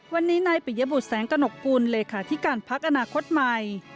วันนี้นายปิยบุตรแสงกระหนกกุลเลขาธิการพักอนาคตใหม่